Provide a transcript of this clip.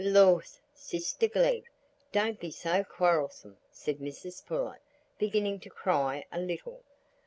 "Lors, sister Glegg, don't be so quarrelsome," said Mrs Pullet, beginning to cry a little.